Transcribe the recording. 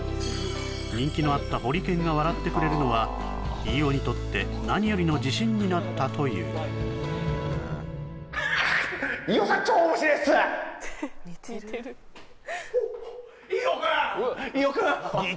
人気のあったホリケンが笑ってくれるのは飯尾にとって何よりの自信になったという飯尾くん飯尾くん